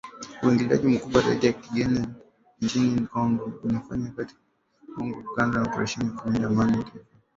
Uingiliaji mkubwa zaidi wa kigeni nchini Kongo ulifanyika katika kipindi cha mwongo mmoja kando na operesheni ya kulinda Amani ya Umoja wa mataifa.